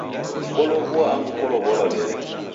Kolow'ua angu kolow'olwa wele!